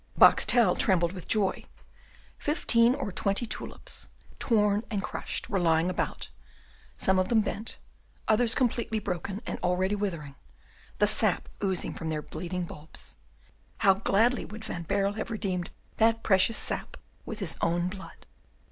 Boxtel trembled with joy. Fifteen or twenty tulips, torn and crushed, were lying about, some of them bent, others completely broken and already withering, the sap oozing from their bleeding bulbs: how gladly would Van Baerle have redeemed that precious sap with his own blood!